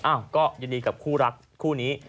ก็ยินดีกับคู่รักคู่นี้